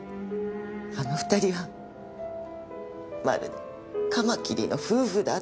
あの２人はまるでカマキリの夫婦だって。